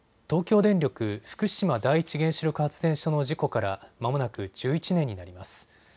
東京電力福島第一原子力発電所の事故からまもなく１１年になります。